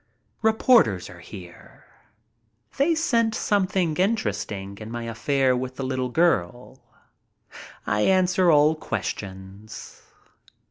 Reporters are here. They scent something interesting in my affair with the little girl. I answer all questions.